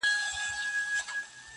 یوه سړي ورباندي نوم لیکلی؛